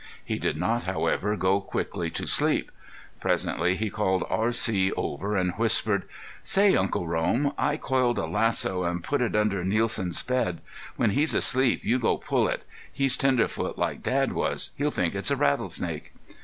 He did not, however, go quickly to sleep. Presently he called R.C. over and whispered: "Say, Uncle Rome, I coiled a lasso an' put it under Nielsen's bed. When he's asleep you go pull it. He's tenderfoot like Dad was. He'll think it's a rattlesnake."